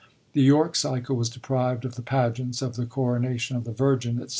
The York cycle was deprived of the pageants of the Coronation of the Virgin, &c.